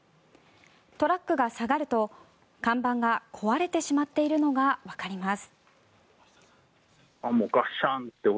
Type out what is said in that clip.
トラックが下がると看板が壊れてしまっているのがわかります。